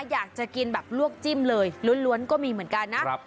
อยากจะกินแบบลวกจิ้มเลยล้วนก็มีเหมือนกันนะ